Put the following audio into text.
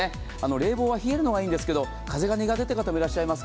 冷房は冷えるのはいいんですけど風が苦手っていう方もいらっしゃいます。